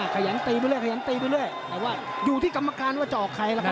ขยังตีไปเรื่อยอยู่ที่กรรมการว่าจะออกใครล่ะครับ